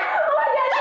reptan sekali juga